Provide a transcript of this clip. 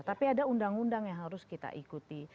tapi ada undang undang yang harus kita ikuti